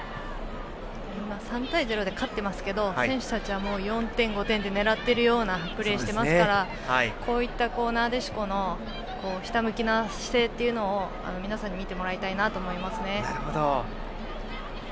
今、３対０で勝っていますけど選手たちは４点、５点目を狙っているようなプレーをしていますからこういったなでしこのひたむきな姿勢を皆さんに見てもらいたいなと思いますね。